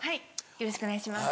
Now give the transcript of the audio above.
よろしくお願いします。